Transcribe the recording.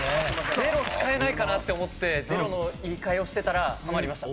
ゼロ使えないかなって思ってゼロの言い換えをしてたらはまりました。